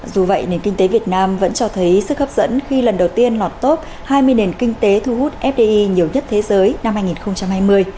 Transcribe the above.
dù vậy nền kinh tế việt nam vẫn cho thấy sức hấp dẫn khi lần đầu tiên lọt top hai mươi nền kinh tế thu hút fdi nhiều nhất thế giới năm hai nghìn hai mươi